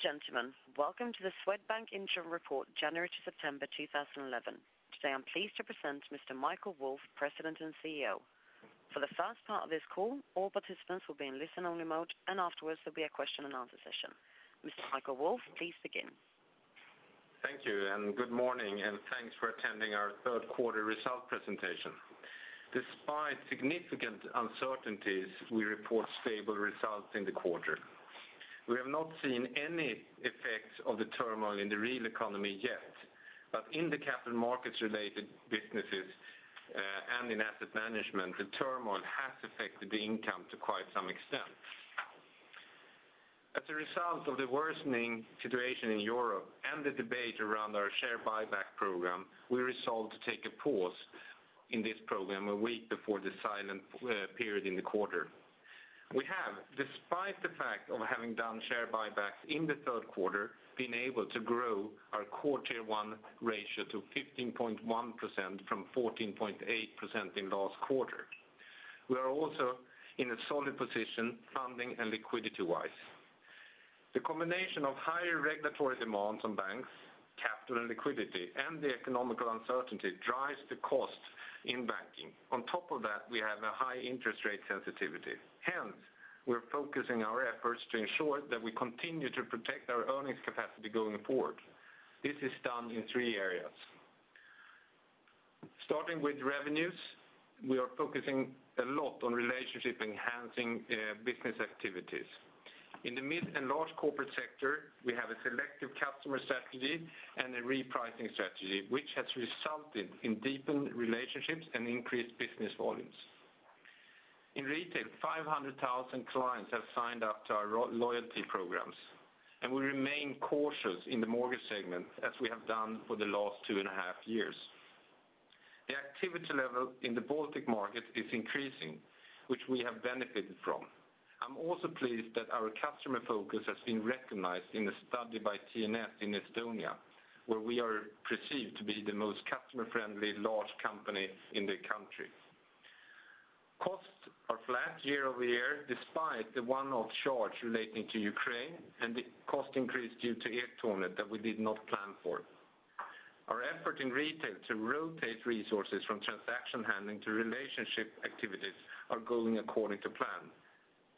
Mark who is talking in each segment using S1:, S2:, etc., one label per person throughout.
S1: Gentlemen, welcome to the Swedbank Interim Report, January to September 2011. Today, I'm pleased to present Mr. Michael Wolf, President and CEO. For the first part of this call, all participants will be in listen-only mode, and afterwards there'll be a question and answer session. Mr. Michael Wolf, please begin.
S2: Thank you, and good morning, and thanks for attending our third quarter result presentation. Despite significant uncertainties, we report stable results in the quarter. We have not seen any effects of the turmoil in the real economy yet, but in the capital markets related businesses, and in asset management, the turmoil has affected the income to quite some extent. As a result of the worsening situation in Europe and the debate around our share buyback program, we resolved to take a pause in this program a week before the silent period in the quarter. We have, despite the fact of having done share buybacks in the third quarter, been able to grow our Core Tier 1 ratio to 15.1% from 14.8% in last quarter. We are also in a solid position, funding and liquidity wise. The combination of higher regulatory demands on banks, capital and liquidity, and the economic uncertainty drives the cost in banking. On top of that, we have a high interest rate sensitivity. Hence, we're focusing our efforts to ensure that we continue to protect our earnings capacity going forward. This is done in three areas. Starting with revenues, we are focusing a lot on relationship enhancing business activities. In the mid and large corporate sector, we have a selective customer strategy and a repricing strategy, which has resulted in deepened relationships and increased business volumes. In retail, 500,000 clients have signed up to our loyalty programs, and we remain cautious in the mortgage segment as we have done for the last two and a half years. The activity level in the Baltic market is increasing, which we have benefited from. I'm also pleased that our customer focus has been recognized in a study by TNS in Estonia, where we are perceived to be the most customer-friendly large company in the country. Costs are flat year-over-year, despite the one-off charge relating to Ukraine and the cost increase due to e-tornet that we did not plan for. Our effort in retail to rotate resources from transaction handling to relationship activities are going according to plan.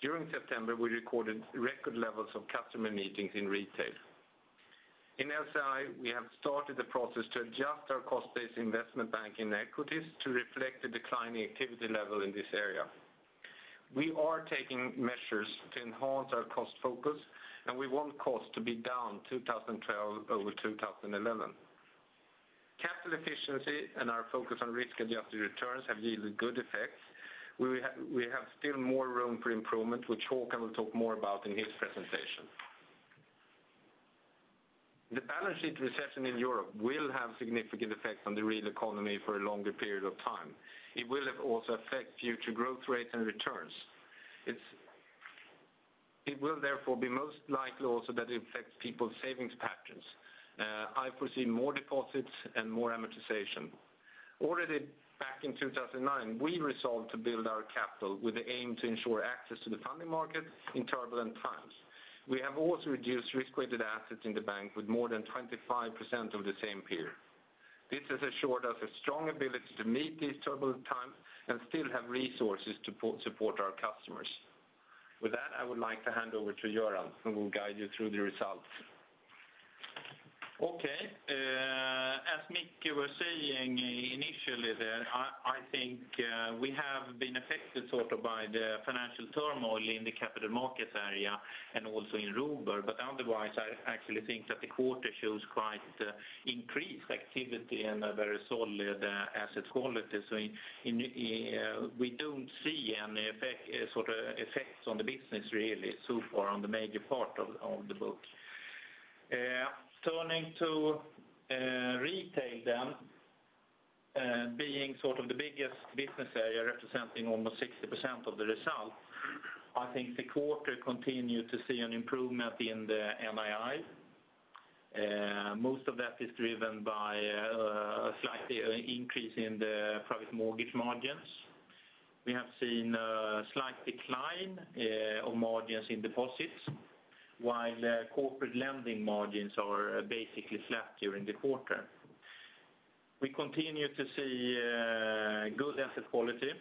S2: During September, we recorded record levels of customer meetings in retail. In LSI, we have started the process to adjust our cost base investment bank in equities to reflect the declining activity level in this area. We are taking measures to enhance our cost focus, and we want cost to be down 2012 over 2011. Capital efficiency and our focus on risk-adjusted returns have yielded good effects. We have still more room for improvement, which Håkan will talk more about in his presentation. The balance sheet recession in Europe will have significant effect on the real economy for a longer period of time. It will have also affect future growth rate and returns. It's, it will therefore be most likely also that it affects people's savings patterns. I foresee more deposits and more amortization. Already back in 2009, we resolved to build our capital with the aim to ensure access to the funding market in turbulent times. We have also reduced risk-weighted assets in the bank with more than 25% of the same period. This has assured us a strong ability to meet these turbulent times and still have resources to support our customers. With that, I would like to hand over to Göran, who will guide you through the results.
S3: Okay, as Micke was saying initially there, I think we have been affected sort of by the financial turmoil in the capital markets area and also in Robur. But otherwise, I actually think that the quarter shows quite increased activity and a very solid asset quality. So we don't see any effect, sort of effects on the business really so far on the major part of the book. Turning to retail then, being sort of the biggest business area, representing almost 60% of the result, I think the quarter continued to see an improvement in the NII. Most of that is driven by a slightly increase in the private mortgage margins. We have seen a slight decline on margins in deposits, while the corporate lending margins are basically flat during the quarter. We continue to see good asset quality,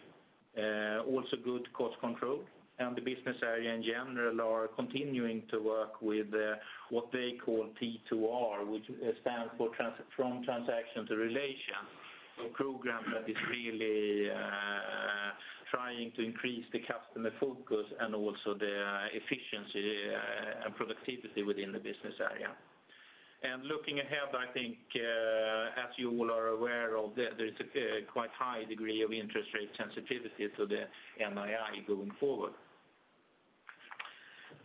S3: also good cost control, and the business area in general are continuing to work with what they call T2R, which stands for transaction to relation. A program that is really trying to increase the customer focus and also the efficiency and productivity within the business area. Looking ahead, I think, as you all are aware of, there, there is a quite high degree of interest rate sensitivity to the NII going forward.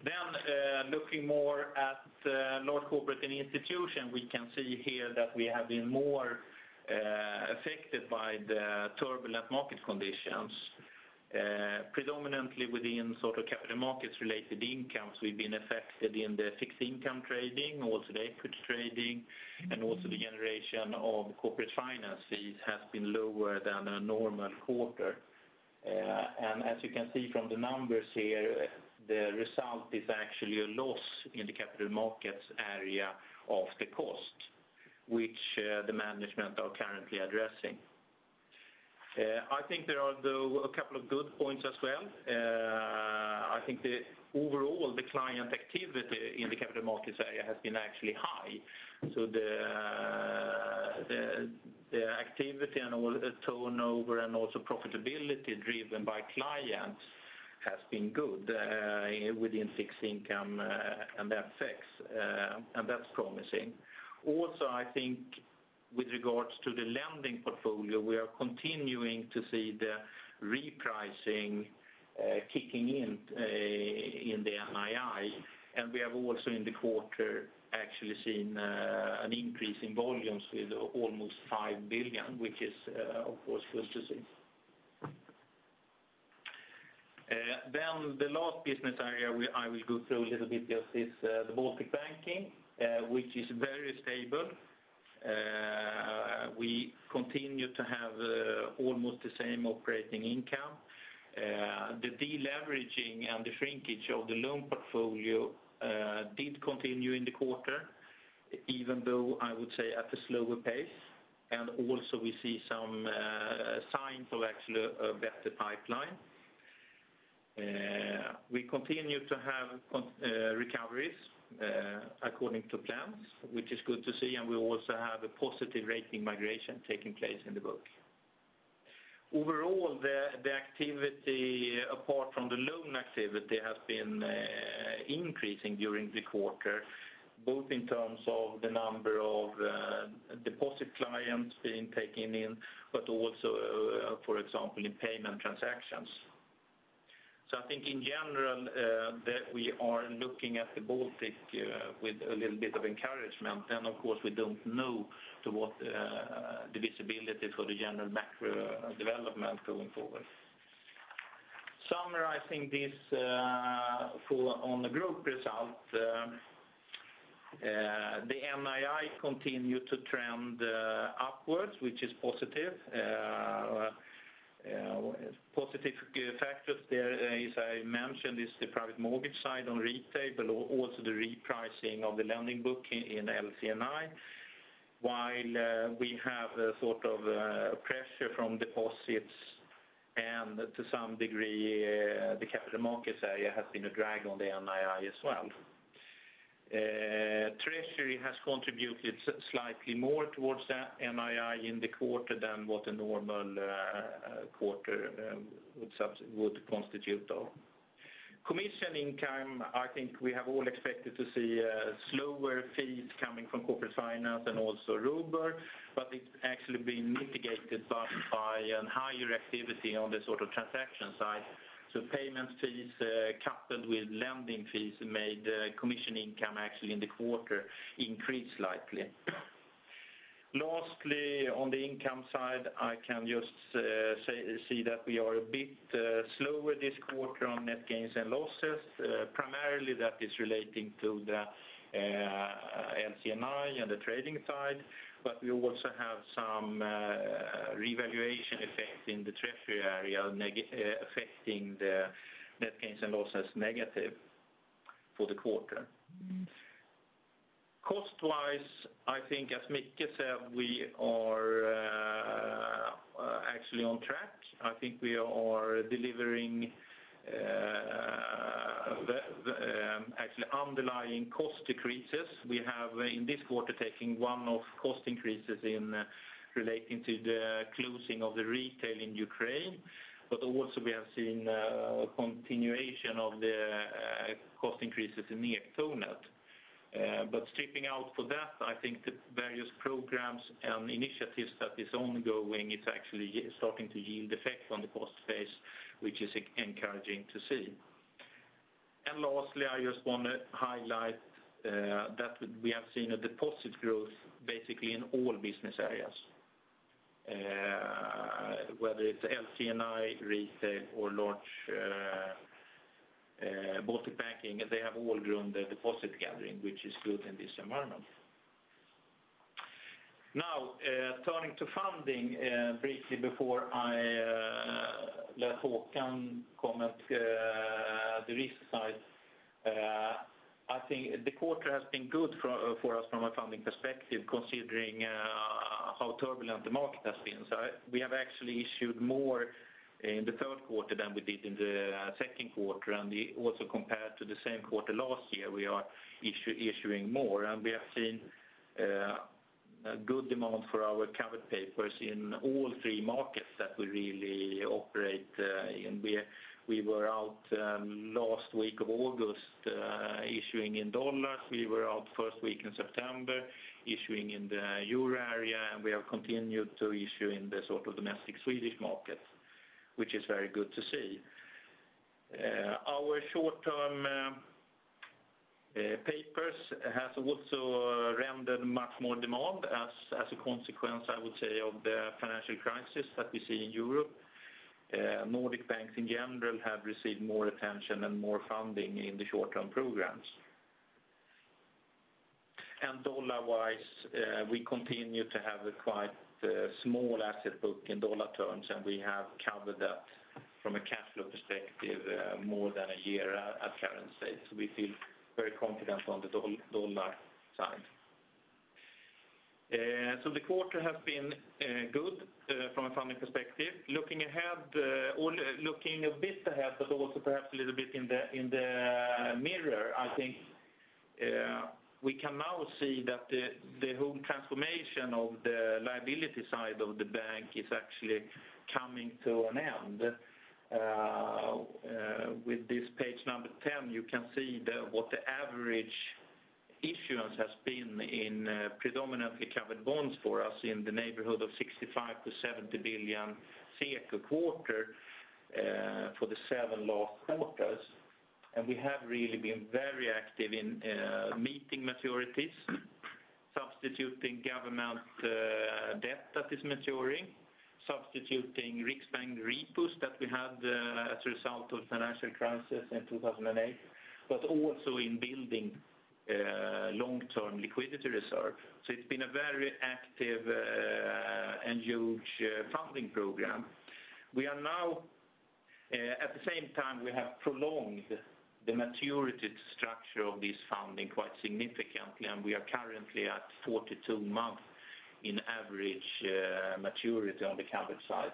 S3: Then, looking more at large corporate and institution, we can see here that we have been more affected by the turbulent market conditions. Predominantly within sort of capital markets related incomes, we've been affected in the fixed income trading, also the equity trading, and also the generation of corporate finance fees has been lower than a normal quarter. As you can see from the numbers here, the result is actually a loss in the capital markets area of the cost, which the management are currently addressing. I think there are though, a couple of good points as well. I think the overall, the client activity in the capital markets area has been actually high. So the activity and all the turnover, and also profitability driven by clients has been good, within fixed income, and FX, and that's promising. Also, I think with regards to the lending portfolio, we are continuing to see the repricing kicking in, in the NII. We have also in the quarter actually seen an increase in volumes with almost 5 billion, which is, of course, good to see. Then the last business area I will go through a little bit is the Baltic Banking, which is very stable. We continue to have almost the same operating income. The deleveraging and the shrinkage of the loan portfolio did continue in the quarter, even though I would say at a slower pace. Also we see some signs of actually a better pipeline. We continue to have recoveries according to plans, which is good to see, and we also have a positive rating migration taking place in the book. Overall, the activity, apart from the loan activity, has been increasing during the quarter, both in terms of the number of deposit clients being taken in, but also, for example, in payment transactions. So I think in general, that we are looking at the Baltic with a little bit of encouragement, and of course, we don't know to what the visibility for the general macro development going forward. Summarizing this, for on the group result, the NII continue to trend upwards, which is positive. Positive factors there, as I mentioned, is the private mortgage side on retail, but also the repricing of the lending book in LC&I. While we have a sort of pressure from deposits, and to some degree, the capital markets area has been a drag on the NII as well. Treasury has contributed slightly more towards the NII in the quarter than what a normal quarter would constitute of. Commission income, I think we have all expected to see slower fees coming from corporate finance and also Robur, but it's actually been mitigated by a higher activity on the sort of transaction side. So payments fees coupled with lending fees made commission income actually in the quarter increase slightly. Lastly, on the income side, I can just see that we are a bit slower this quarter on net gains and losses. Primarily, that is relating to the LC&I and the trading side, but we also have some revaluation effect in the treasury area negatively affecting the net gains and losses for the quarter. Cost-wise, I think as Micke said, we are actually on track. I think we are delivering the actually underlying cost decreases. We have, in this quarter, taking one-off cost increases in relating to the closing of the retail in Ukraine, but also we have seen continuation of the cost increases in the Tonet. But stripping out for that, I think the various programs and initiatives that is ongoing, it's actually starting to yield effect on the cost base, which is encouraging to see. Lastly, I just want to highlight that we have seen a deposit growth basically in all business areas. Whether it's LC&I, retail or large, Baltic Banking, they have all grown their deposit gathering, which is good in this environment. Now, turning to funding, briefly before I let Håkan comment, the risk side. I think the quarter has been good for us from a funding perspective, considering how turbulent the market has been. So we have actually issued more in the third quarter than we did in the second quarter, and also compared to the same quarter last year, we are issuing more. We have seen a good demand for our covered papers in all three markets that we really operate in. We were out last week of August, issuing in dollars. We were out first week in September, issuing in the euro area, and we have continued to issue in the sort of domestic Swedish market, which is very good to see. Our short-term papers has also rendered much more demand as a consequence, I would say, of the financial crisis that we see in Europe. Nordic banks in general have received more attention and more funding in the short-term programs. Dollar-wise, we continue to have a quite small asset book in dollar terms, and we have covered that from a cash flow perspective more than a year at current state. So we feel very confident on the dollar side. So the quarter has been good from a funding perspective. Looking ahead, or looking a bit ahead, but also perhaps a little bit in the mirror, I think, we can now see that the whole transformation of the liability side of the bank is actually coming to an end. With this page number 10, you can see the, what the average issuance has been in, predominantly covered bonds for us in the neighborhood of 65-70 billion a quarter, for the 7 last quarters. We have really been very active in, meeting maturities, substituting government, debt that is maturing, substituting Riksbank repos that we had, as a result of financial crisis in 2008, but also in building, long-term liquidity reserve. It's been a very active, and huge, funding program. We are now, at the same time, we have prolonged the maturity structure of this funding quite significantly, and we are currently at 42 months in average, maturity on the covered side.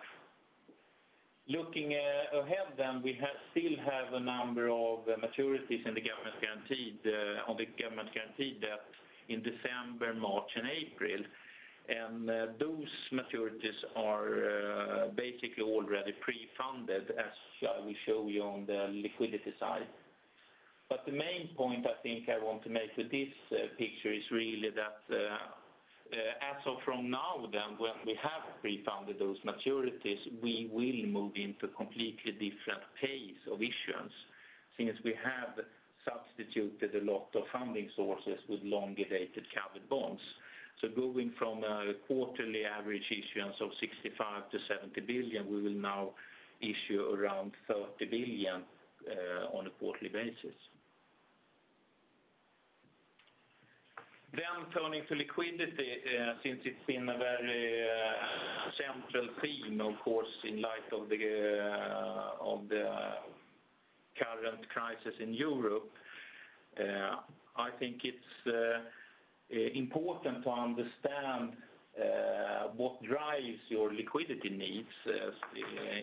S3: Looking ahead then, we still have a number of maturities in the government guaranteed on the government guaranteed debt in December, March, and April. Those maturities are basically already pre-funded, as we show you on the liquidity side. But the main point I think I want to make with this picture is really that as of from now then, when we have pre-funded those maturities, we will move into completely different pace of issuance, since we have substituted a lot of funding sources with longer-dated covered bonds. So going from a quarterly average issuance of 65 billion-70 billion, we will now issue around 30 billion on a quarterly basis. Then turning to liquidity, since it's been a very central theme, of course, in light of the, of the current crisis in Europe, I think it's important to understand what drives your liquidity needs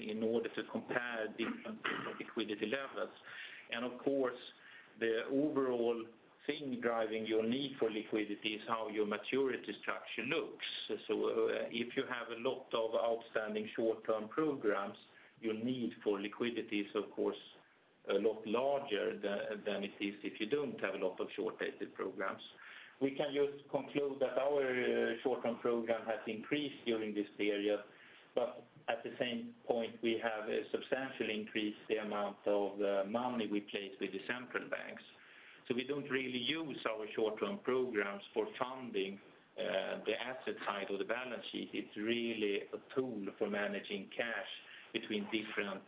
S3: in order to compare different liquidity levels. Of course, the overall thing driving your need for liquidity is how your maturity structure looks. So, if you have a lot of outstanding short-term programs, your need for liquidity is, of course, a lot larger than, than it is if you don't have a lot of short-dated programs. We can just conclude that our short-term program has increased during this period, but at the same point, we have substantially increased the amount of money we place with the central banks. So we don't really use our short-term programs for funding the asset side of the balance sheet. It's really a tool for managing cash between different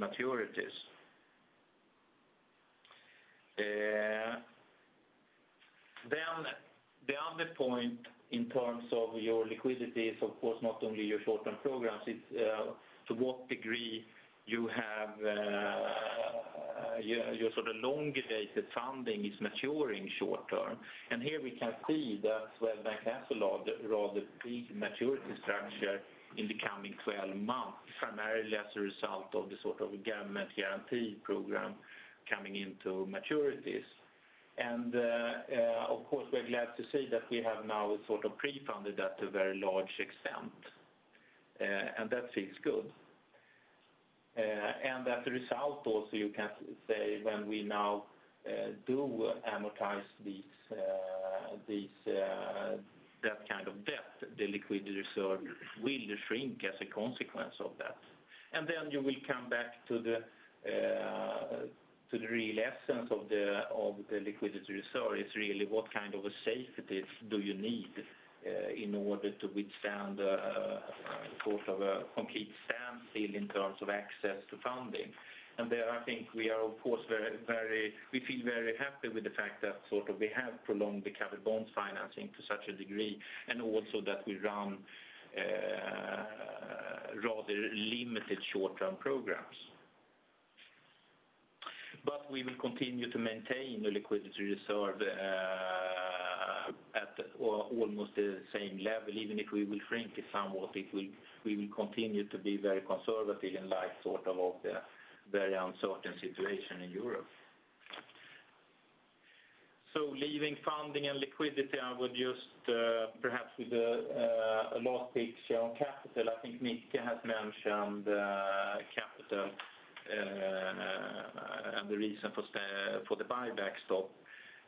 S3: maturities. Then the other point in terms of your liquidity is, of course, not only your short-term programs, it's to what degree you have your sort of longer-dated funding is maturing short-term. Here we can see that Swedbank has a rather, rather big maturity structure in the coming 12 months, primarily as a result of the sort of government guarantee program coming into maturities. Of course, we're glad to see that we have now sort of pre-funded that to a very large extent, and that feels good. As a result, also, you can say when we now do amortize these, these, that kind of debt, the liquidity reserve will shrink as a consequence of that. You will come back to the, to the real essence of the, of the liquidity reserve, is really what kind of a safety do you need, in order to withstand, sort of a complete standstill in terms of access to funding? I think we are, of course, very, very... We feel very happy with the fact that sort of we have prolonged the covered bond financing to such a degree, and also that we run, rather limited short-term programs. But we will continue to maintain the liquidity reserve at almost the same level, even if we will shrink it somewhat, we will continue to be very conservative in light of the very uncertain situation in Europe. So leaving funding and liquidity, I would just perhaps with a last picture on capital. I think Micke has mentioned capital and the reason for the buyback stop.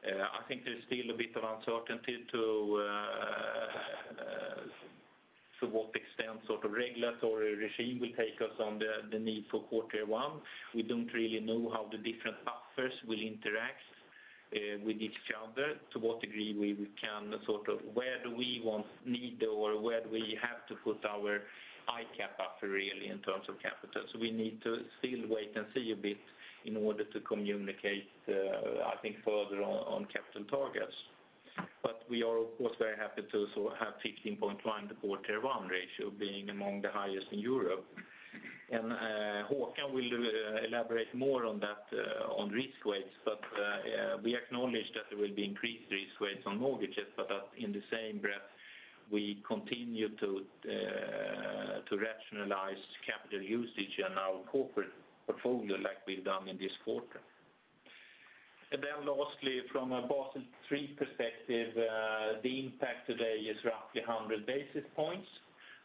S3: I think there's still a bit of uncertainty to what extent the regulatory regime will take us on the need for quarter one. We don't really know how the different buffers will interact with each other, to what degree we can sort of where do we want, need, or where do we have to put our high cap buffer really in terms of capital? So we need to still wait and see a bit in order to communicate, I think, further on, on capital targets, but we are of course very happy to so have 15.1 Core Tier 1 ratio being among the highest in Europe. Håkan will elaborate more on that, on risk weights, but, we acknowledge that there will be increased risk weights on mortgages, but that in the same breath, we continue to, to rationalize capital usage and our corporate portfolio like we've done in this quarter. Lastly, from a Basel III perspective, the impact today is roughly 100 basis points.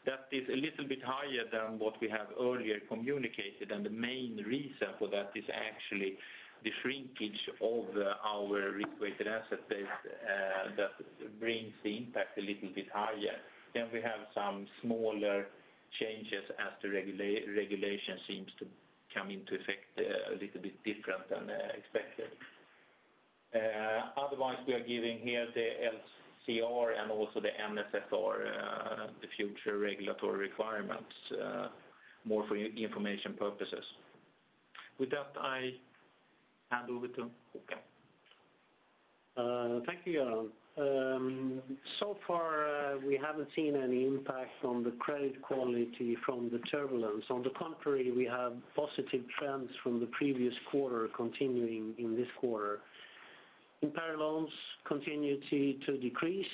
S3: That is a little bit higher than what we have earlier communicated, and the main reason for that is actually the shrinkage of our risk-weighted asset base, that brings the impact a little bit higher. Then we have some smaller changes as the regulation seems to come into effect a little bit different than expected. Otherwise, we are giving here the LCR and also the MSR, the future regulatory requirements, more for information purposes. With that, I hand over to Håkan.
S4: Thank you, Johan. So far, we haven't seen any impact on the credit quality from the turbulence. On the contrary, we have positive trends from the previous quarter continuing in this quarter. Impaired loans continue to decrease.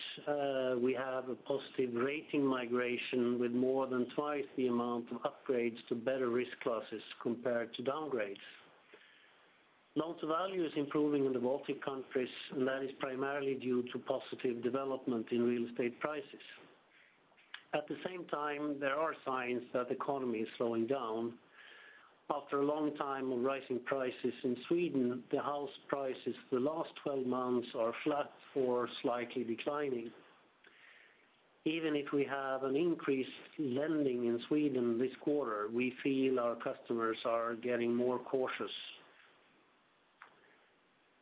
S4: We have a positive rating migration with more than twice the amount of upgrades to better risk classes compared to downgrades. Loan-to-value is improving in the Baltic countries, and that is primarily due to positive development in real estate prices. At the same time, there are signs that the economy is slowing down. After a long time of rising prices in Sweden, the house prices for the last 12 months are flat or slightly declining. Even if we have an increased lending in Sweden this quarter, we feel our customers are getting more cautious.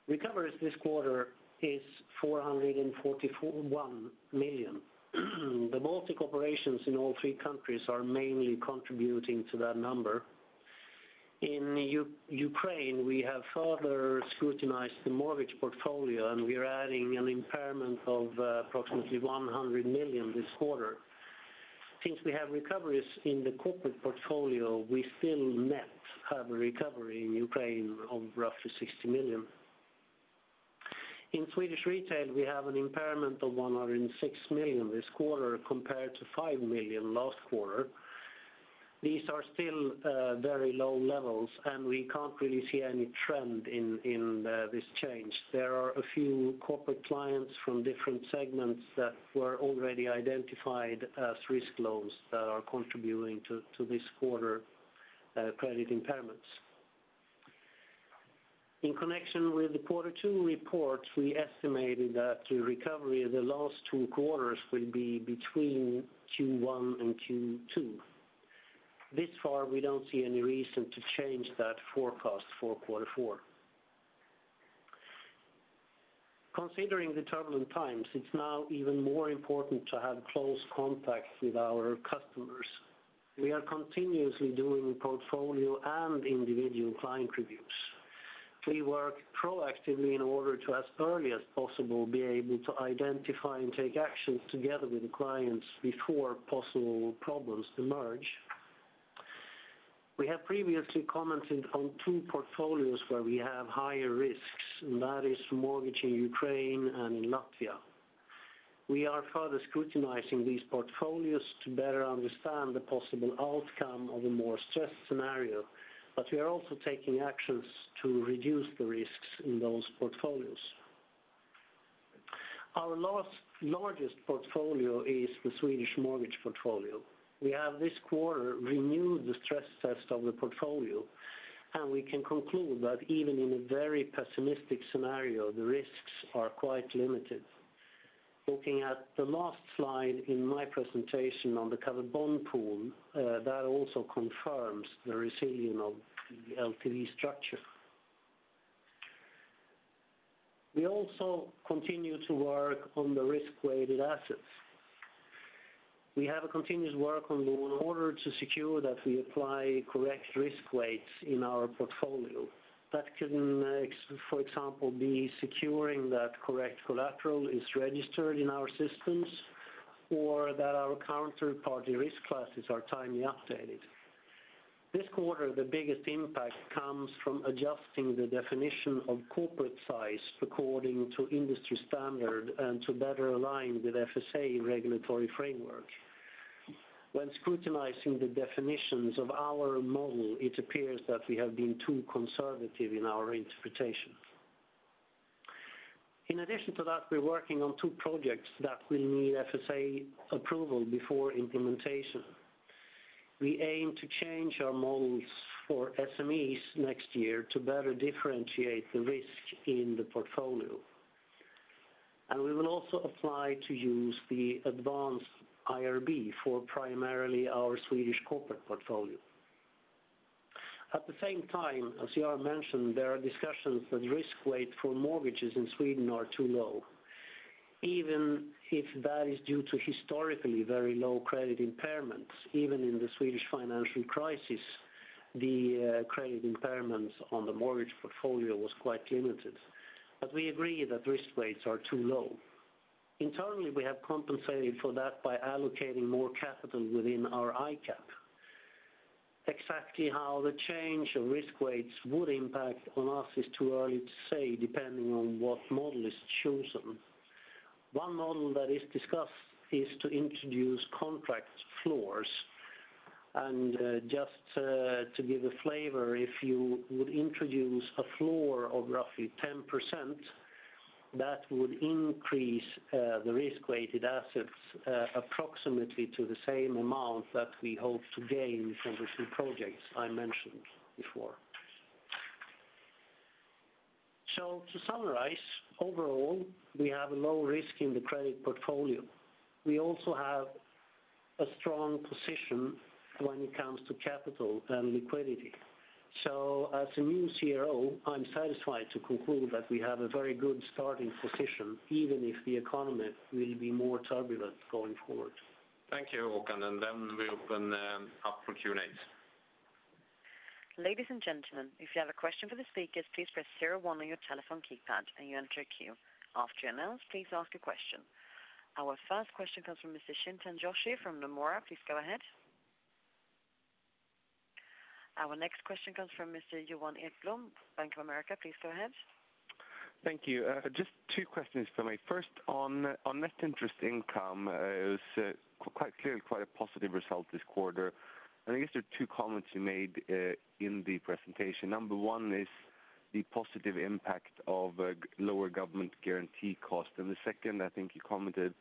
S4: Recoveries this quarter is 441 million. The Baltic operations in all three countries are mainly contributing to that number. In Ukraine, we have further scrutinized the mortgage portfolio, and we are adding an impairment of approximately 100 million this quarter. Since we have recoveries in the corporate portfolio, we still net have a recovery in Ukraine of roughly 60 million. In Swedish retail, we have an impairment of 106 million this quarter, compared to 5 million last quarter. These are still very low levels, and we can't really see any trend in this change. There are a few corporate clients from different segments that were already identified as risk loans that are contributing to this quarter credit impairments. In connection with the Quarter Two report, we estimated that the recovery of the last two quarters will be between Q1 and Q2. So far, we don't see any reason to change that forecast for Quarter Four. Considering the turbulent times, it's now even more important to have close contacts with our customers. We are continuously doing portfolio and individual client reviews. We work proactively in order to, as early as possible, be able to identify and take actions together with the clients before possible problems emerge. We have previously commented on two portfolios where we have higher risks, and that is mortgage in Ukraine and in Latvia. We are further scrutinizing these portfolios to better understand the possible outcome of a more stressed scenario, but we are also taking actions to reduce the risks in those portfolios. Our largest portfolio is the Swedish mortgage portfolio. We have this quarter renewed the stress test of the portfolio, and we can conclude that even in a very pessimistic scenario, the risks are quite limited. Looking at the last slide in my presentation on the covered bond pool, that also confirms the resilience of the LTV structure. We also continue to work on the risk-weighted assets. We have a continuous work on the order to secure that we apply correct risk weights in our portfolio. That can, for example, be securing that correct collateral is registered in our systems, or that our counterparty risk classes are timely updated. This quarter, the biggest impact comes from adjusting the definition of corporate size according to industry standard and to better align with FSA regulatory framework. When scrutinizing the definitions of our model, it appears that we have been too conservative in our interpretation. In addition to that, we're working on two projects that will need FSA approval before implementation. We aim to change our models for SMEs next year to better differentiate the risk in the portfolio. We will also apply to use the advanced IRB for primarily our Swedish corporate portfolio. At the same time, as Johan mentioned, there are discussions that risk weight for mortgages in Sweden are too low. Even if that is due to historically very low credit impairments, even in the Swedish financial crisis, the credit impairments on the mortgage portfolio was quite limited. But we agree that risk weights are too low. Internally, we have compensated for that by allocating more capital within our ICAP. Exactly how the change of risk weights would impact on us is too early to say, depending on what model is chosen. One model that is discussed is to introduce contract floors. Just to give a flavor, if you would introduce a floor of roughly 10%, that would increase the risk-weighted assets approximately to the same amount that we hope to gain from the two projects I mentioned before. So to summarize, overall, we have a low risk in the credit portfolio. We also have a strong position when it comes to capital and liquidity. So as a new CRO, I'm satisfied to conclude that we have a very good starting position, even if the economy will be more turbulent going forward.
S3: Thank you, Håkan, and then we open up for Q&A.
S1: Ladies and gentlemen, if you have a question for the speakers, please press zero-one on your telephone keypad, and you enter a queue. After you're announced, please ask a question. Our first question comes from Mr. Chintan Joshi from Nomura. Please go ahead. Our next question comes from Mr. Johan Ekblom, Bank of America. Please go ahead.
S5: Thank you. Just two questions for me. First, on net interest income, it was quite clearly quite a positive result this quarter. I guess there are two comments you made in the presentation. Number one is the positive impact of lower government guarantee cost, and the second, I think you commented,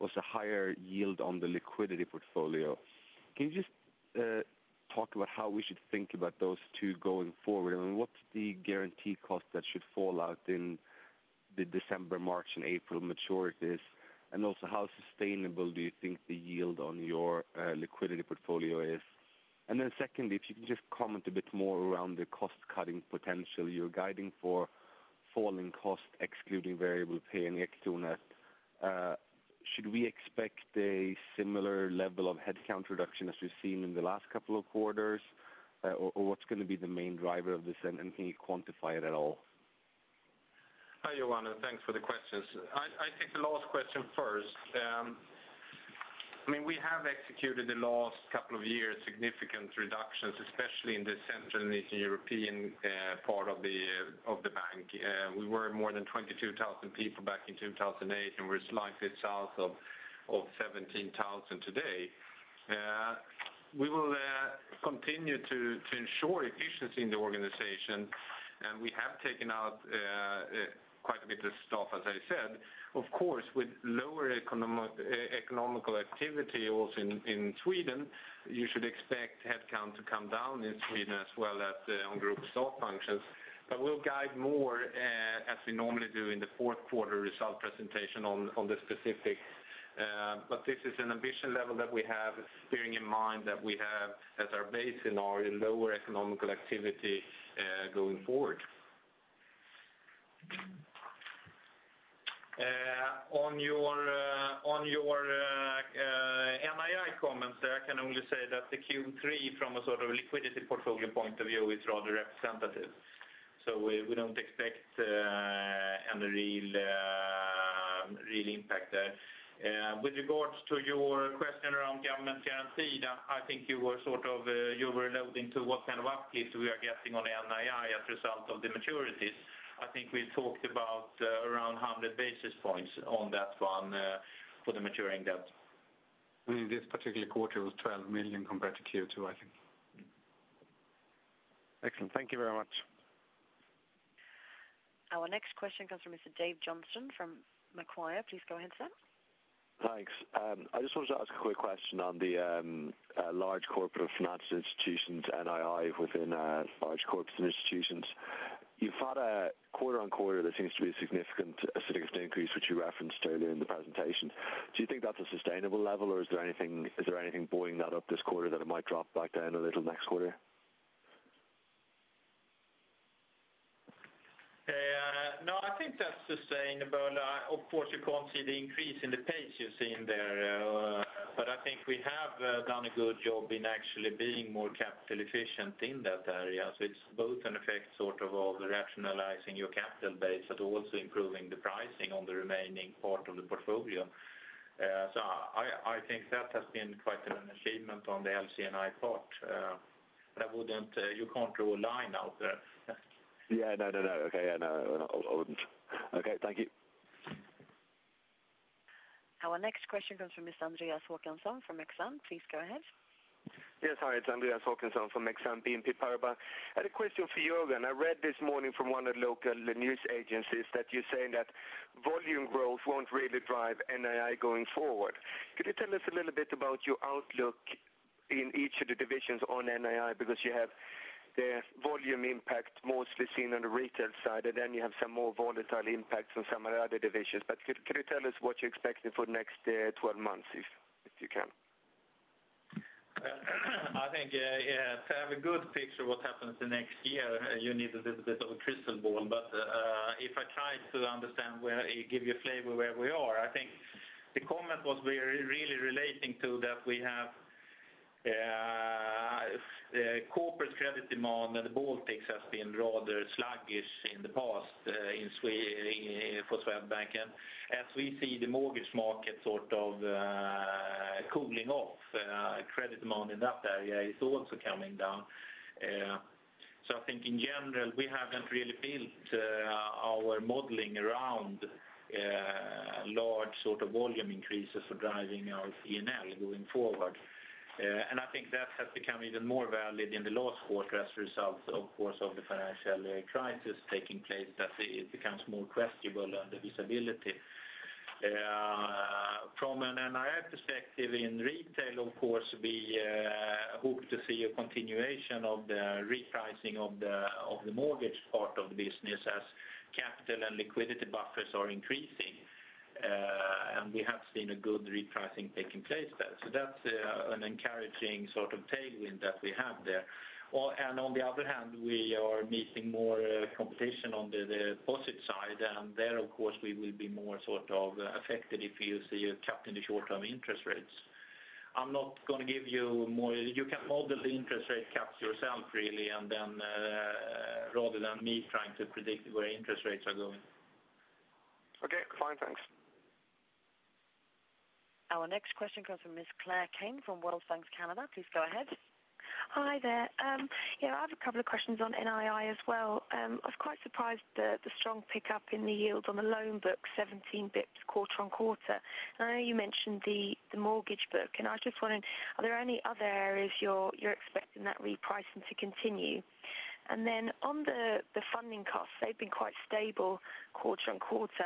S5: was a higher yield on the liquidity portfolio. Can you just talk about how we should think about those two going forward? I mean, what's the guarantee cost that should fall out in the December, March, and April maturities? Also, how sustainable do you think the yield on your liquidity portfolio is? Secondly, if you can just comment a bit more around the cost-cutting potential. You're guiding for falling costs, excluding variable pay and ex-tunet. Should we expect a similar level of headcount reduction as we've seen in the last couple of quarters? Or, what's gonna be the main driver of this, and can you quantify it at all?
S3: Hi, Johan, and thanks for the questions. I take the last question first. I mean, we have executed the last couple of years significant reductions, especially in the Central and Eastern European part of the bank. We were more than 22,000 people back in 2008, and we're slightly south of 17,000 today. We will continue to ensure efficiency in the organization, and we have taken out quite a bit of staff, as I said. Of course, with lower economical activity also in Sweden, you should expect headcount to come down in Sweden as well as on group staff functions. But we'll guide more, as we normally do in the fourth quarter result presentation on the specifics. But this is an ambition level that we have, bearing in mind that we have as our base in our lower economic activity, going forward. On your NII comments, I can only say that the Q3, from a sort of liquidity portfolio point of view, is rather representative. So we don't expect any real impact there. With regards to your question around government guaranteed, I think you were sort of alluding to what kind of uplift we are getting on the NII as a result of the maturities. I think we talked about around 100 basis points on that one, for the maturing debt.
S4: I mean, this particular quarter was 12 million compared to Q2, I think.
S5: Excellent. Thank you very much.
S1: Our next question comes from Mr. Dave Johnston from Macquarie. Please go ahead, sir.
S6: Thanks. I just wanted to ask a quick question on the large corporate financial institutions, NII, within large corporates and institutions. You've had a quarter-on-quarter that seems to be a significant, a significant increase, which you referenced earlier in the presentation. Do you think that's a sustainable level, or is there anything, is there anything buoying that up this quarter that it might drop back down a little next quarter?
S3: No, I think that's sustainable. Of course, you can't see the increase in the pace you've seen there. But I think we have done a good job in actually being more capital efficient in that area. So it's both an effect, sort of, of rationalizing your capital base, but also improving the pricing on the remaining part of the portfolio. So I, I think that has been quite an achievement on the LC&I part. But I wouldn't... You can't draw a line out there.
S6: Yeah. No, no, no. Okay. Yeah, no, I wouldn't. Okay. Thank you.
S1: Our next question comes from Mr. Andreas Håkansson from Exane. Please go ahead.
S7: Yes. Hi, it's Andreas Håkansson from Exane BNP Paribas. I had a question for Jörgen. I read this morning from one of the local news agencies that you're saying that volume growth won't really drive NII going forward. Could you tell us a little bit about your outlook in each of the divisions on NII? Because you have the volume impact mostly seen on the retail side, and then you have some more volatile impacts on some of the other divisions. But could you tell us what you're expecting for the next 12 months, if you can?
S3: I think, yeah, to have a good picture what happens the next year, you need a little bit of a crystal ball. But, if I try to understand... give you a flavor where we are. I think the comment was we are really relating to that we have corporate credit demand, and the Baltics has been rather sluggish in the past, in for Swedbank. As we see the mortgage market sort of cooling off, credit demand in that area is also coming down. So I think in general, we haven't really built our modeling around large sort of volume increases for driving our CNL going forward. I think that has become even more valid in the last quarter as a result of course of the financial crisis taking place, that it becomes more questionable and the visibility. From an NII perspective, in retail, of course, we hope to see a continuation of the repricing of the mortgage part of the business as capital and liquidity buffers are increasing. We have seen a good repricing taking place there. So that's an encouraging sort of tailwind that we have there. Well, and on the other hand, we are meeting more competition on the deposit side, and there, of course, we will be more sort of affected if you see a cap in the short-term interest rates. I'm not gonna give you more... You can model the interest rate caps yourself, really, and then rather than me trying to predict where interest rates are going.
S1: Okay, fine. Thanks. Our next question comes from Ms. Claire Kane from Wells Fargo Canada. Please go ahead.
S8: Hi there. Yeah, I have a couple of questions on NII as well. I was quite surprised the strong pickup in the yields on the loan book, 17 basis points quarter-on-quarter. I know you mentioned the mortgage book, and I was just wondering, are there any other areas you're expecting that repricing to continue? On the funding costs, they've been quite stable quarter-on-quarter.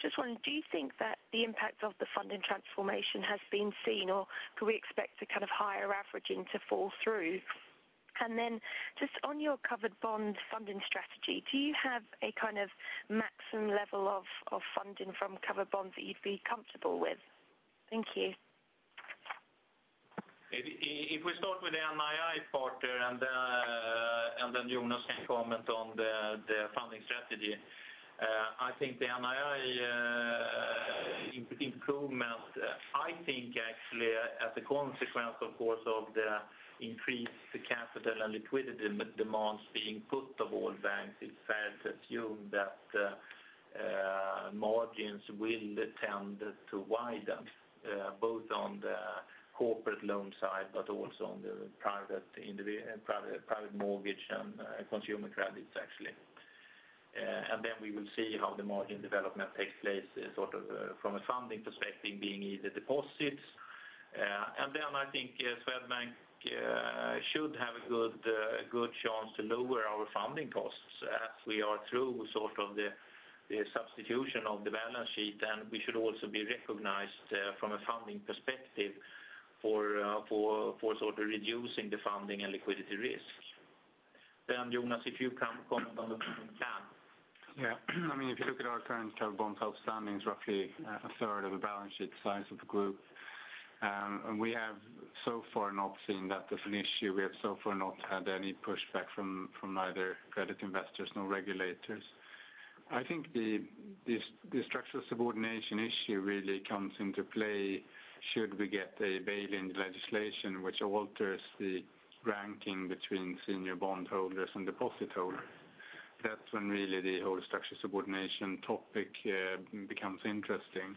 S8: Just wondering, do you think that the impact of the funding transformation has been seen, or could we expect a kind of higher averaging to fall through? Just on your covered bond funding strategy, do you have a kind of maximum level of funding from covered bonds that you'd be comfortable with? Thank you.
S3: If we start with the NII part there, and then Jonas can comment on the funding strategy. I think the NII improvement, I think actually, as a consequence, of course, of the increased capital and liquidity demands being put on all banks, it's fair to assume that margins will tend to widen both on the corporate loan side, but also on the private mortgage and consumer credits, actually. And then we will see how the margin development takes place, sort of, from a funding perspective, being either deposits. I think Swedbank should have a good chance to lower our funding costs as we are through sort of the substitution of the balance sheet. We should also be recognized from a funding perspective for sort of reducing the funding and liquidity risk. Jonas, if you can comment on the plan.
S9: Yeah. I mean, if you look at our current covered bonds outstandings, roughly a third of the balance sheet size of the group. We have so far not seen that as an issue. We have so far not had any pushback from either credit investors nor regulators. I think the structural subordination issue really comes into play should we get a bail-in legislation which alters the ranking between senior bondholders and deposit holders. That's when really the whole structural subordination topic becomes interesting.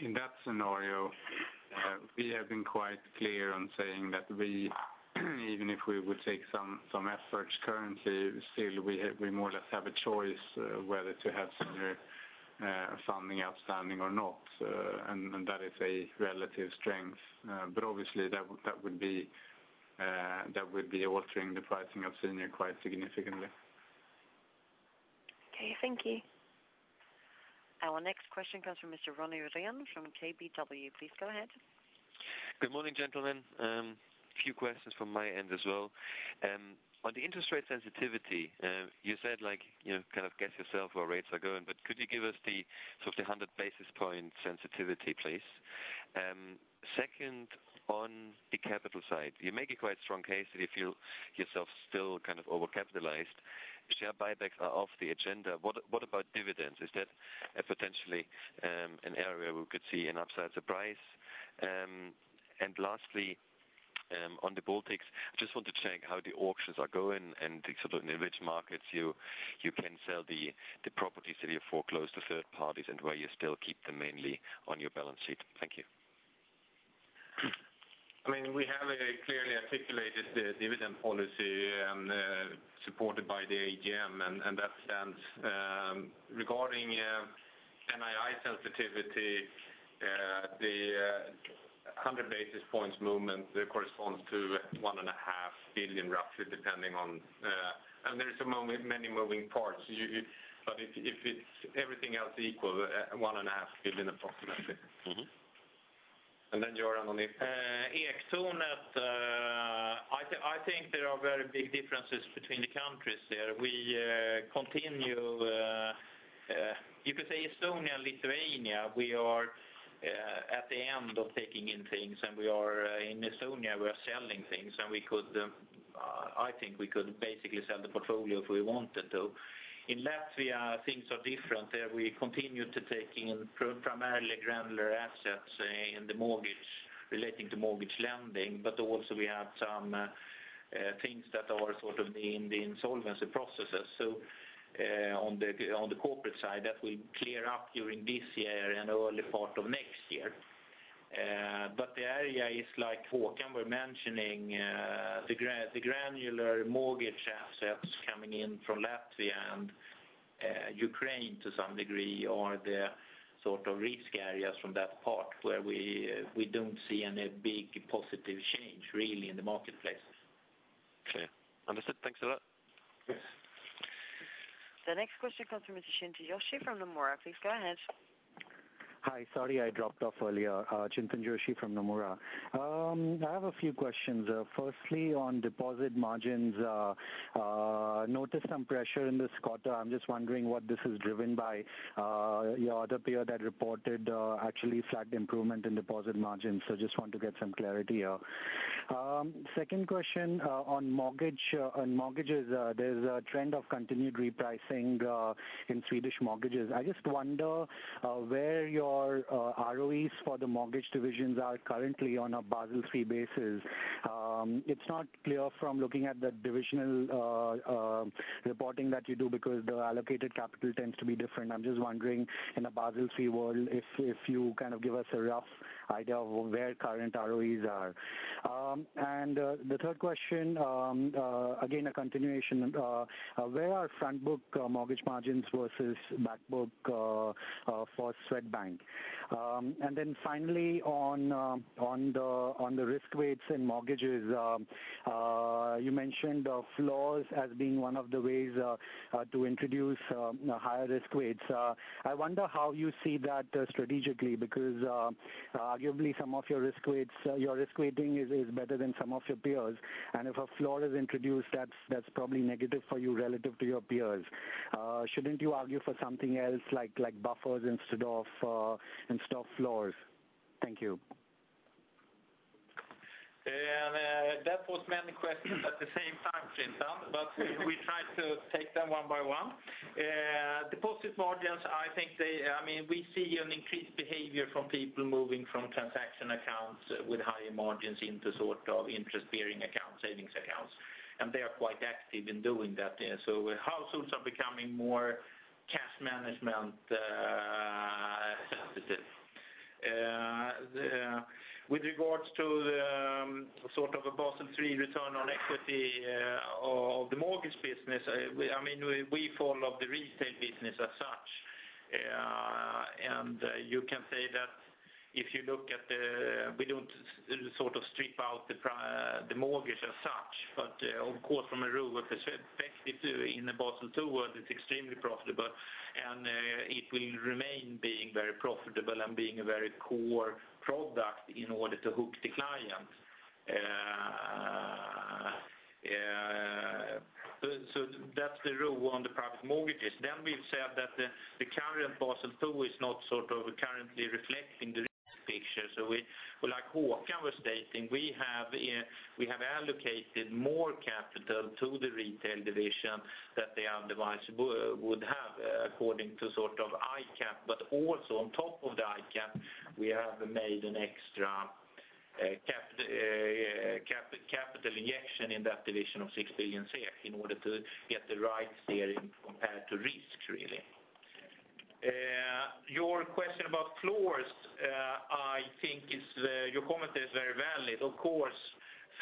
S9: In that scenario, we have been quite clear on saying that we, even if we would take some efforts currently, still we more or less have a choice whether to have some funding outstanding or not, and that is a relative strength. But obviously, that would be altering the pricing of senior quite significantly.
S8: Okay, thank you.
S1: Our next question comes from Mr. Ronnie Ryan from KBW. Please go ahead.
S10: Good morning, gentlemen. A few questions from my end as well. On the interest rate sensitivity, you said, like, you know, kind of guess yourself where rates are going, but could you give us the sort of the 100 basis point sensitivity, please? Second, on the capital side, you make a quite strong case that you feel yourself still kind of overcapitalized. Share buybacks are off the agenda. What, what about dividends? Is that potentially an area where we could see an upside surprise? Lastly, on the Baltics, just want to check how the auctions are going and sort of in which markets you, you can sell the, the properties that you foreclose to third parties and why you still keep them mainly on your balance sheet. Thank you.
S9: I mean, we have clearly articulated the dividend policy and, supported by the AGM, that stands. Regarding NII sensitivity, the 100 basis points movement corresponds to 1.5 billion, roughly, depending on—there's many moving parts. You, you—if it's everything else equal, 1.5 billion, approximately.
S10: Mm-hmm.
S3: And then, Jonas, on the-Estonia, I think there are very big differences between the countries there. We continue, you could say Estonia and Lithuania—we are at the end of taking in things, and we are in Estonia, we are selling things, and we could, I think we could basically sell the portfolio if we wanted to. In Latvia, things are different. There we continue to taking in primarily granular assets in the mortgage relating to mortgage lending, but also we have some things that are sort of in the insolvency processes. So, on the corporate side, that will clear up during this year and early part of next year. But the area is like Håkan were mentioning, the granular mortgage assets coming in from Latvia and, to some degree, are the sort of risk areas from that part where we don't see any big positive change really in the marketplace.
S6: Clear. Understood. Thanks a lot.
S3: Yes.
S1: The next question comes from Mr. Chintan Joshi from Nomura. Please go ahead.
S11: Hi, sorry I dropped off earlier. Chintan Joshi from Nomura. I have a few questions. Firstly, on deposit margins, noticed some pressure in this quarter. I'm just wondering what this is driven by. Your other peer that reported actually flagged improvement in deposit margins, so just want to get some clarity here. Second question, on mortgage, on mortgages. There's a trend of continued repricing in Swedish mortgages. I just wonder where your ROEs for the mortgage divisions are currently on a Basel III basis. It's not clear from looking at the divisional reporting that you do because the allocated capital tends to be different. I'm just wondering, in a Basel III world, if you kind of give us a rough idea of where current ROEs are. The third question, again, a continuation. Where are front book mortgage margins versus back book for Swedbank? Finally, on the risk weights in mortgages, you mentioned floors as being one of the ways to introduce higher risk weights. I wonder how you see that strategically, because arguably some of your risk weights, your risk weighting is better than some of your peers, and if a floor is introduced, that's probably negative for you relative to your peers. Shouldn't you argue for something else, like buffers instead of floors? Thank you.
S3: That was many questions at the same time, Chintan, but we try to take them one by one. Deposit margins, I think they, I mean, we see an increased behavior from people moving from transaction accounts with higher margins into sort of interest-bearing account, savings accounts, and they are quite active in doing that. So households are becoming more cash management sensitive. The, with regards to the, sort of a Basel III return on equity, of the mortgage business, we, I mean, we, we follow the retail business as such. You can say that if you look at the—we don't sort of strip out the private mortgage as such, but, of course, from a rule perspective, in the Basel II world, it's extremely profitable, and it will remain being very profitable and being a very core product in order to hook the clients. So that's the rule on the private mortgages. Then we've said that the current Basel II is not sort of currently reflecting the real picture. So we, like Håkan was stating, we have allocated more capital to the retail division than the other banks would have, according to sort of ICAP, but also on top of the ICAP, we have made an extra capital injection in that division of 6 billion in order to get the right steering compared to risk, really. Your question about floors, I think is, your comment is very valid. Of course,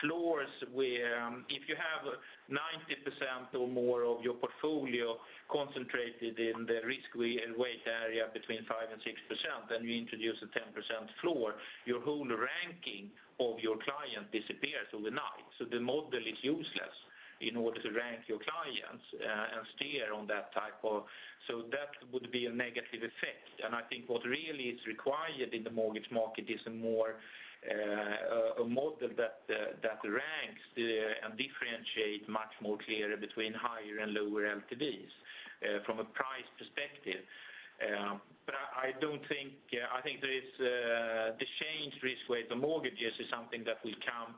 S3: floors where, if you have 90% or more of your portfolio concentrated in the risk weight area between 5% and 6%, then you introduce a 10% floor, your whole ranking of your client disappears overnight. So the model is useless in order to rank your clients and steer on that type of. So that would be a negative effect. And I think what really is required in the mortgage market is a more a model that that ranks and differentiate much more clearly between higher and lower LTVs from a price perspective. But I, I don't think, I think there is the change risk weight, the mortgages is something that will come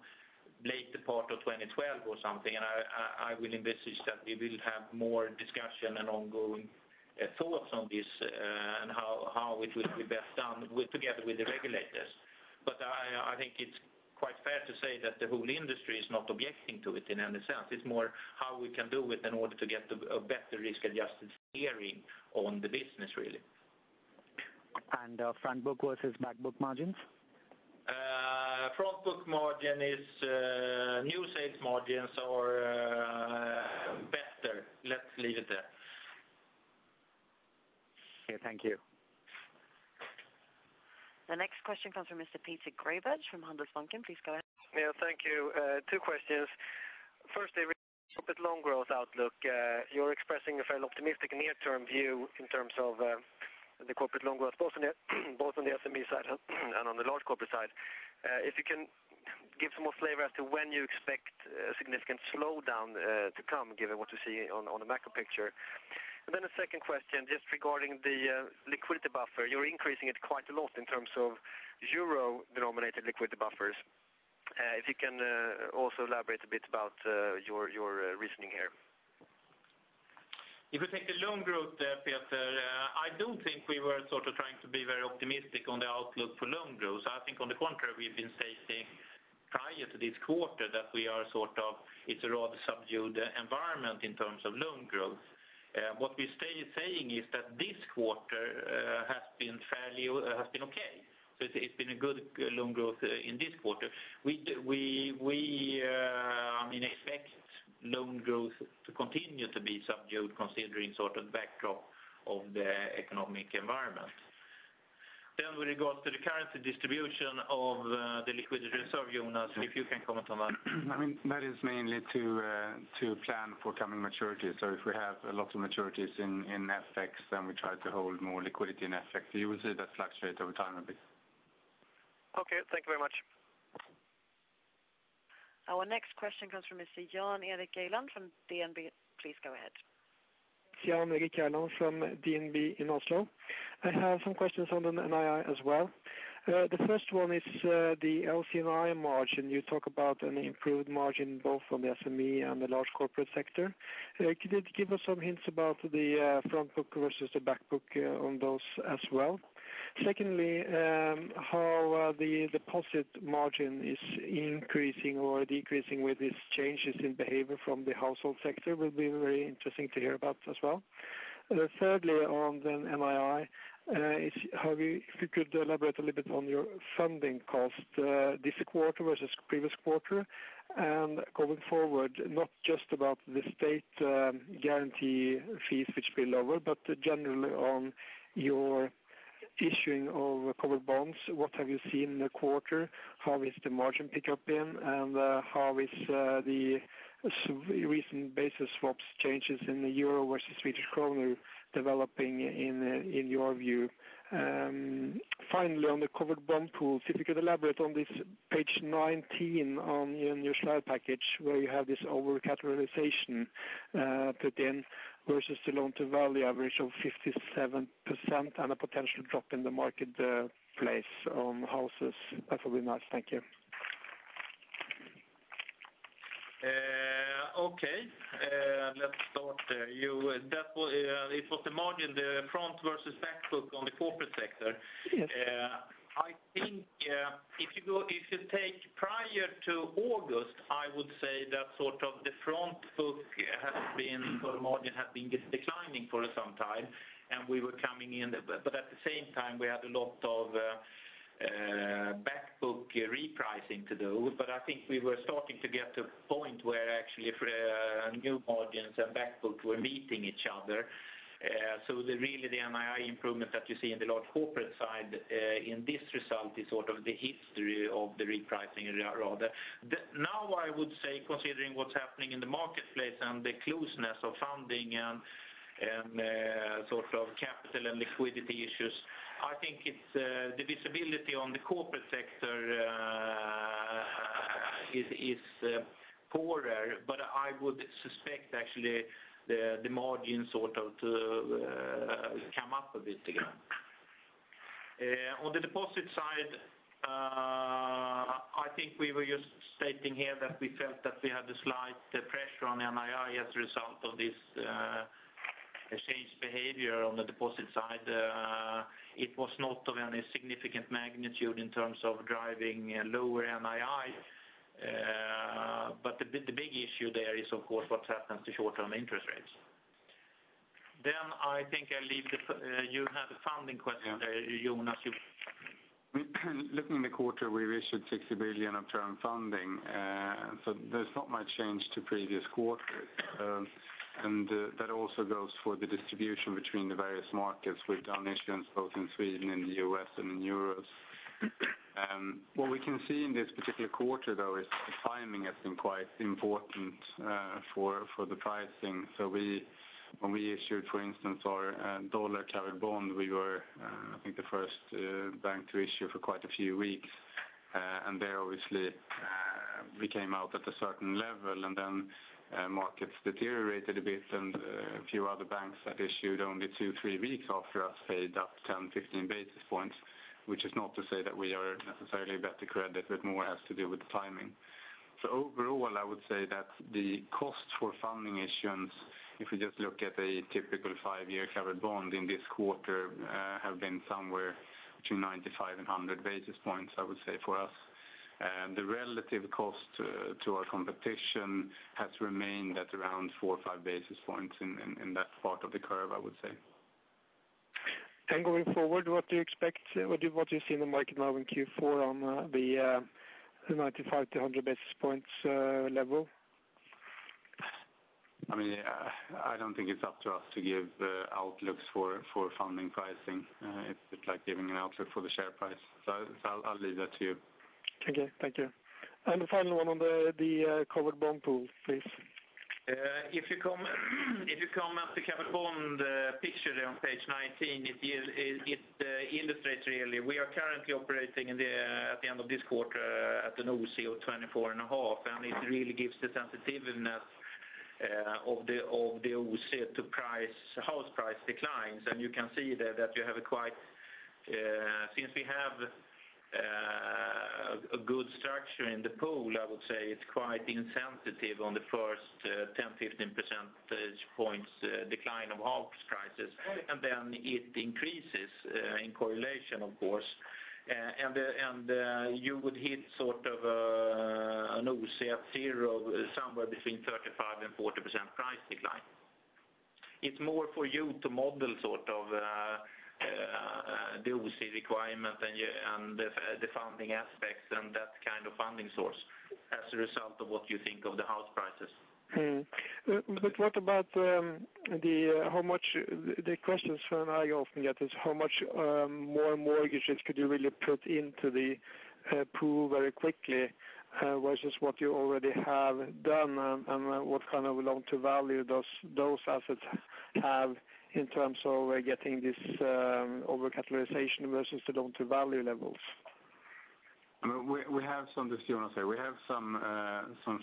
S3: later part of 2012 or something, and I, I, I will envisage that we will have more discussion and ongoing thoughts on this and how, how it will be best done with together with the regulators. But I, I think it's quite fair to say that the whole industry is not objecting to it in any sense. It's more how we can do it in order to get a a better risk-adjusted steering on the business, really.
S11: Front book versus back book margins?
S3: Front book margin is new sales margins or better. Let's leave it there.
S11: Okay. Thank you.
S1: The next question comes from Mr. Peter Graebisch from Handelsbanken. Please go ahead.
S12: Yeah. Thank you. Two questions. Firstly, corporate loan growth outlook. You're expressing a fairly optimistic near-term view in terms of the corporate loan growth, both on the SME side and on the large corporate side. If you can give some more flavor as to when you expect a significant slowdown to come, given what you see on the macro picture? Second question, just regarding the liquidity buffer. You're increasing it quite a lot in terms of euro-denominated liquidity buffers. If you can also elaborate a bit about your reasoning here.
S3: If you take the loan growth there, Peter, I don't think we were sort of trying to be very optimistic on the outlook for loan growth. I think on the contrary, we've been stating prior to this quarter that we are sort of, it's a rather subdued environment in terms of loan growth. What we're saying is that this quarter has been fairly, has been okay. So it's, it's been a good loan growth in this quarter. We, we, I mean, expect loan growth to continue to be subdued, considering sort of backdrop of the economic environment. Then with regards to the currency distribution of the liquidity reserve, Jonas, if you can comment on that.
S9: I mean, that is mainly to plan for coming maturities. So if we have a lot of maturities in FX, then we try to hold more liquidity in FX. So you will see that fluctuate over time a bit.
S12: Okay, thank you very much.
S1: Our next question comes from Mr. Jan-Erik Gjerland from DNB. Please go ahead.
S13: Jan-Erik Geland from DNB in Oslo. I have some questions on the NII as well. The first one is, the LC&I margin. You talk about an improved margin both from the SME and the large corporate sector. Could you give us some hints about the, front book versus the back book, on those as well? Secondly, how, the deposit margin is increasing or decreasing with these changes in behavior from the household sector will be very interesting to hear about as well. Thirdly, on the NII, if you could elaborate a little bit on your funding cost, this quarter versus previous quarter, and going forward, not just about the state, guarantee fees, which be lower, but generally on your issuing of covered bonds. What have you seen in the quarter? How has the margin pick up been, and how is the recent basis swaps changes in the euro versus Swedish krona developing in your view? Finally, on the covered bond pool, if you could elaborate on this page 19 in your slide package, where you have this over-collateralization put in versus the loan to value average of 57% and a potential drop in the marketplace on houses. That would be nice. Thank you.
S3: Okay. Let's start, it was the margin, the front versus back book on the corporate sector.
S13: Yes.
S3: I think, if you go, if you take prior to August, I would say that sort of the front book has been, or margin has been declining for some time, and we were coming in. But at the same time, we had a lot of back book repricing to do. But I think we were starting to get to a point where actually new margins and back book were meeting each other. So really, the NII improvement that you see in the large corporate side, in this result is sort of the history of the repricing rather. Now, I would say, considering what's happening in the marketplace and the closeness of funding and, and, sort of capital and liquidity issues, I think it's the visibility on the corporate sector is poorer. But I would suspect, actually, the margin sort of come up a bit again. On the deposit side, I think we were just stating here that we felt that we had a slight pressure on NII as a result of this changed behavior on the deposit side. It was not of any significant magnitude in terms of driving lower NII, but the big issue there is, of course, what happens to short-term interest rates. Then I think I leave the you had a funding question there, Jonas, you-
S9: Looking in the quarter, we raised 60 billion of term funding, so there's not much change to previous quarter. That also goes for the distribution between the various markets. We've done issuance both in Sweden and the US and in euros. What we can see in this particular quarter, though, is timing has been quite important for the pricing. So when we issued, for instance, our dollar covered bond, we were, I think, the first bank to issue for quite a few weeks. Obviously, we came out at a certain level, and then, markets deteriorated a bit, and, a few other banks that issued only 2-3 weeks after us paid up 10-15 basis points, which is not to say that we are necessarily better credit, but more has to do with the timing. So overall, I would say that the cost for funding issuance, if we just look at a typical five-year covered bond in this quarter, have been somewhere between 95 and 100 basis points, I would say, for us. The relative cost, to our competition has remained at around 4 or 5 basis points in that part of the curve, I would say.
S13: Going forward, what do you expect? What do you see in the market now in Q4 on the 95-100 basis points level?
S9: I mean, I don't think it's up to us to give outlooks for funding pricing. It's like giving an outlook for the share price. So, I'll leave that to you.
S13: Okay, thank you. The final one on the covered bond pool, please.
S3: If you come to the covered bond picture there on page 19, it illustrates really. We are currently operating at the end of this quarter at an OC of 24.5, and it really gives the sensitiveness of the OC to house price declines. You can see there that we have quite, since we have a good structure in the pool, I would say it's quite insensitive on the first 10, 15 percentage points decline of house prices. It increases in correlation, of course. You would hit sort of an OC at zero, somewhere between 35%-40% price decline. It's more for you to model, sort of, the OC requirement and the funding aspects and that kind of funding source, as a result of what you think of the house prices. Hmm. But what about the questions Sven and I often get is how much more mortgages could you really put into the pool very quickly versus what you already have done, and what kind of loan to value those assets have in terms of getting this over-collateralization versus the loan to value levels?
S9: I mean, we have some, as Jonas said, we have some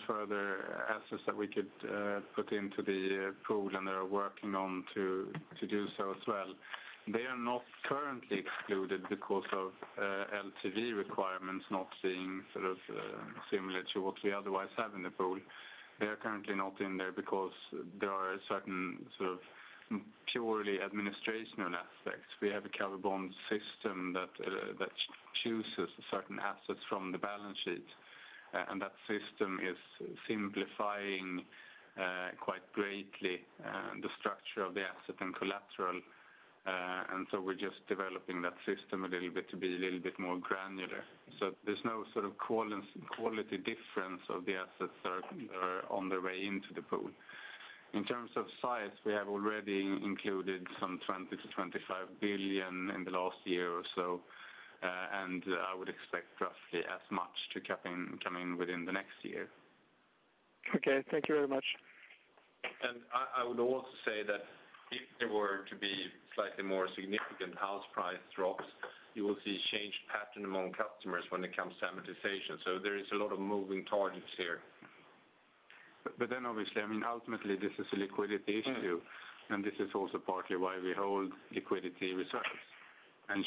S9: further assets that we could put into the pool, and they are working on to do so as well. They are not currently excluded because of LTV requirements not being sort of similar to what we otherwise have in the pool. They are currently not in there because there are certain sort of purely administrative aspects. We have a covered bond system that chooses certain assets from the balance sheet, and that system is simplifying quite greatly the structure of the asset and collateral. So we're just developing that system a little bit to be a little bit more granular. So there's no sort of quality difference of the assets that are on their way into the pool. In terms of size, we have already included some 20-25 billion in the last year or so, and I would expect roughly as much to come in within the next year.
S3: Okay, thank you very much. I would also say that if there were to be slightly more significant house price drops, you will see changed pattern among customers when it comes to amortization. So there is a lot of moving targets here.
S9: But then obviously, I mean, ultimately, this is a liquidity issue, and this is also partly why we hold liquidity reserves.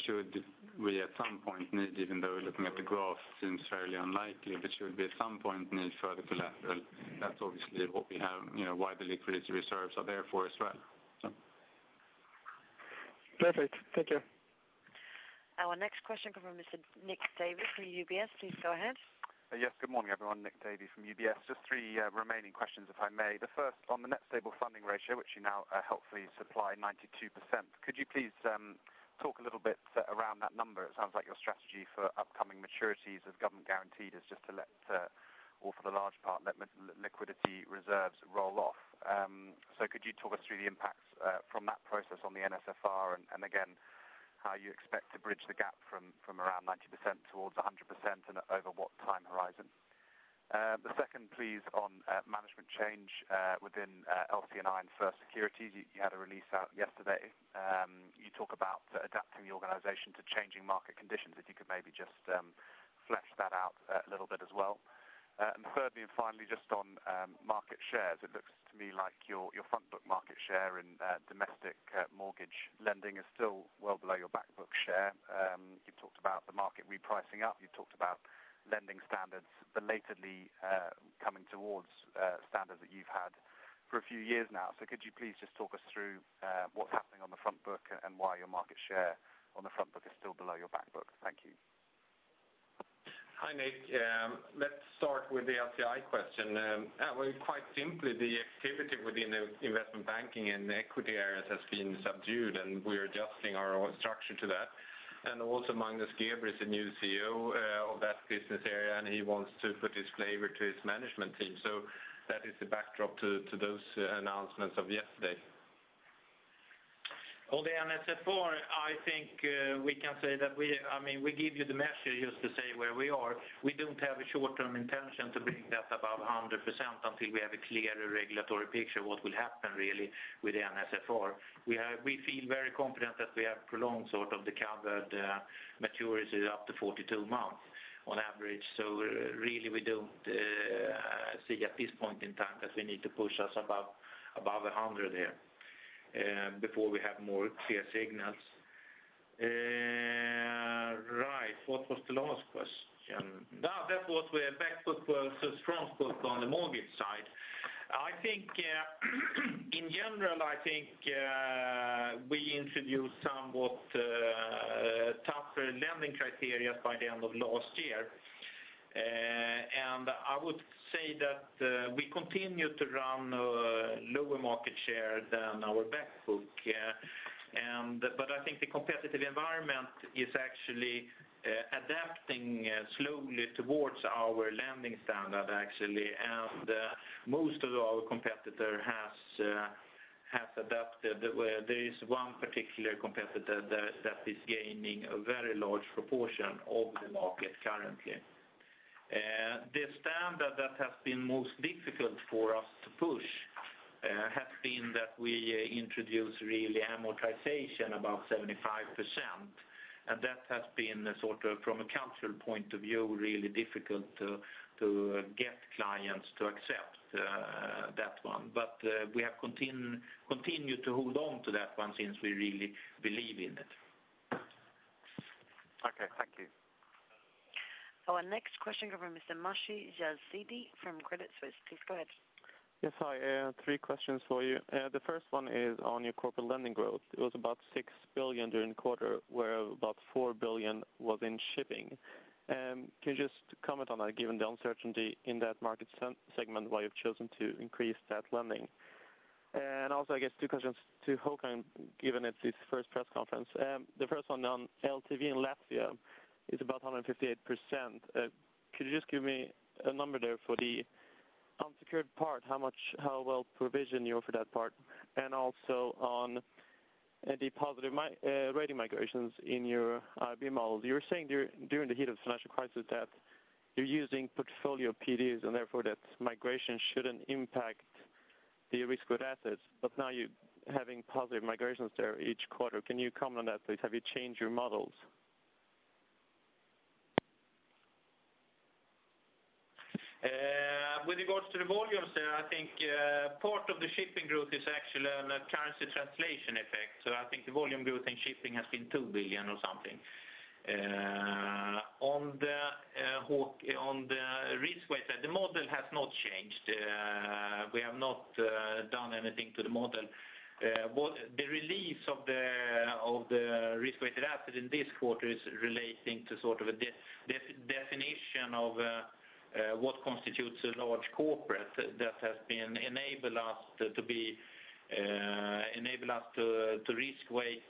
S9: Should we at some point need, even though looking at the graph seems fairly unlikely, but should we at some point need further collateral, that's obviously what we have, you know, why the liquidity reserves are there for as well, so.
S3: Perfect. Thank you.
S1: Our next question comes from Mr. Nick Davey from UBS. Please go ahead.
S14: Yes, good morning, everyone. Nick Davey from UBS. Just three remaining questions, if I may. The first, on the net stable funding ratio, which you now helpfully supply 92%. Could you please talk a little bit around that number? It sounds like your strategy for upcoming maturities as government guaranteed is just to let, or for the large part, let liquidity reserves roll off. So could you talk us through the impacts from that process on the NSFR, and again, how you expect to bridge the gap from around 90% towards 100%, and over what time horizon? The second, please, on management change within LC&I and First Securities. You had a release out yesterday. You talk about adapting the organization to changing market conditions. If you could maybe just, flesh that out a little bit as well. Thirdly, and finally, just on, market shares, it looks to me like your, your front book market share in, domestic, mortgage lending is still well below your back book share. You've talked about the market repricing up. You've talked about lending standards belatedly, coming towards, standards that you've had for a few years now. So could you please just talk us through, what's happening on the front book and why your market share on the front book is still below your back book? Thank you.
S3: Hi, Nick. Let's start with the LC&I question. Well, quite simply, the activity within the investment banking and equity areas has been subdued, and we are adjusting our structure to that. Also, Magnus Geeber is the new CEO of that business area, and he wants to put his flavor to his management team. So that is the backdrop to those announcements of yesterday. On the NSFR, I think we can say that I mean, we give you the measure just to say where we are. We don't have a short-term intention to bring that above 100% until we have a clearer regulatory picture what will happen really with the NSFR. We feel very confident that we have prolonged sort of the covered maturity up to 42 months on average. So really, we don't see at this point in time that we need to push us above 100 here before we have more clear signals. Right. What was the last question? Ah, that was where back book versus front book on the mortgage side. I think in general, I think we introduced somewhat tougher lending criteria by the end of last year. I would say that we continue to run lower market share than our back book, and but I think the competitive environment is actually adapting slowly towards our lending standard, actually. And most of our competitor has adapted where there is one particular competitor that is gaining a very large proportion of the market currently. The standard that has been most difficult for us to push has been that we introduce really amortization about 75%, and that has been sort of, from a cultural point of view, really difficult to get clients to accept that one. But, we have continued to hold on to that one since we really believe in it.
S6: Okay, thank you.
S1: Our next question comes from Mr. Mashi Jazidi from Credit Suisse. Please go ahead.
S15: Yes, hi. Three questions for you. The first one is on your corporate lending growth. It was about 6 billion during the quarter, where about 4 billion was in shipping. Can you just comment on that, given the uncertainty in that market segment, why you've chosen to increase that lending? Also, I guess two questions to Håkan, given it's his first press conference. The first one on LTV in Latvia is about 158%. Could you just give me a number there for the unsecured part? How much, how well provisioned you are for that part, and also on the positive rating migrations in your IB model. You were saying during the heat of the financial crisis, that you're using portfolio PDs, and therefore, that migration shouldn't impact the risk-weighted assets, but now you're having positive migrations there each quarter. Can you comment on that, please? Have you changed your models?
S3: With regards to the volumes there, I think part of the shipping growth is actually on a currency translation effect. So I think the volume growth in shipping has been 2 billion or something. On the risk-weighted, the model has not changed. We have not done anything to the model. The release of the risk-weighted asset in this quarter is relating to sort of a definition of what constitutes a large corporate. That has been enable us to be, enable us to risk-weight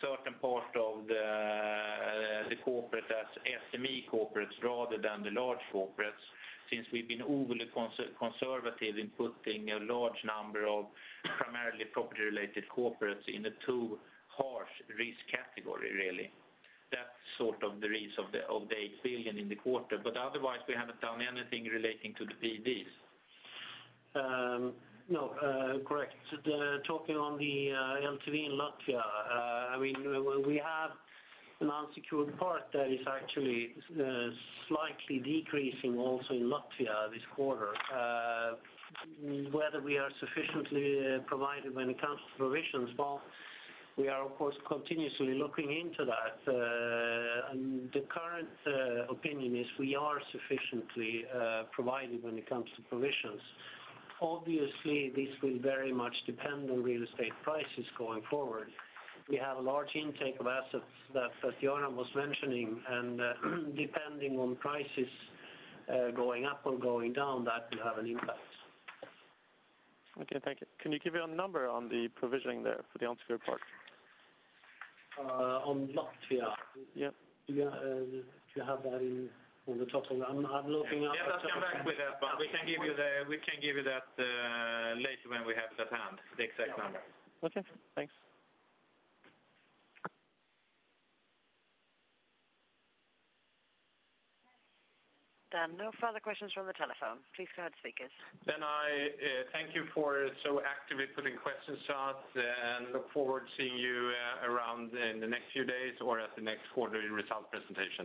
S3: certain part of the corporate as SME corporates, rather than the large corporates, since we've been overly conservative in putting a large number of primarily property-related corporates in the too harsh risk category, really. That's sort of the reason of the 8 billion in the quarter. But otherwise, we haven't done anything relating to the PDs.
S4: No, correct. The talking on the LTV in Latvia, I mean, we have an unsecured part that is actually slightly decreasing also in Latvia this quarter. Whether we are sufficiently provided when it comes to provisions, well, we are, of course, continuously looking into that. The current opinion is we are sufficiently provided when it comes to provisions. Obviously, this will very much depend on real estate prices going forward. We have a large intake of assets that Jonas was mentioning, and depending on prices going up or going down, that will have an impact.
S15: Okay, thank you. Can you give me a number on the provisioning there for the unsecured part?
S4: On Latvia?
S15: Yep.
S4: Yeah, do you have that in, on the top of that? I'm looking at-
S3: Yeah, let's come back with that, but we can give you the, we can give you that, later when we have it at hand, the exact number.
S15: Okay, thanks.
S1: There are no further questions from the telephone. Please go ahead, speakers.
S3: I thank you for so actively putting questions to us, and look forward to seeing you around in the next few days or at the next quarterly result presentation.